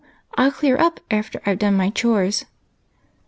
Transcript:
I '11 clear uj) after I Ve done my chores."